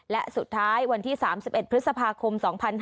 และสุดท้ายวันที่๓๑พฤษภาคม๒๕๕๙